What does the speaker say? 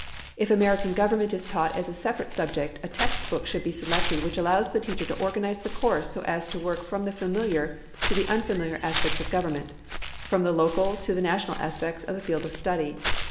If American government is taught as a separate subject a text book should be selected which allows the teacher to organize the course so as to work from the familiar to the unfamiliar aspects of government, from the local to the national aspects of the field of study.